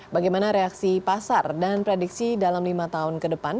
bagaimana reaksi pasar dan prediksi dalam lima tahun ke depan